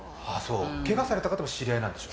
けがされた方も知り合いなんでしょう？